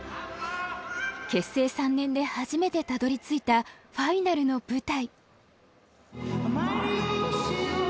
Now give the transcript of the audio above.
結成３年で初めてたどり着いたファイナルの舞台。